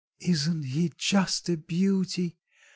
"Isn't he just a beauty!